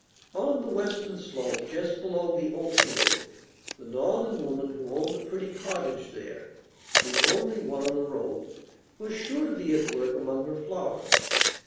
On the western slope, just below the oatfield, the Northern woman who owned the pretty cottage there (the only one on the road) was sure to be at work among her flowers.